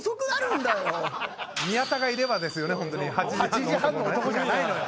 ８時半の男じゃないのよ。